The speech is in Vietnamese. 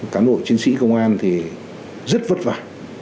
cả nội chiến sĩ công an thì rất vất vả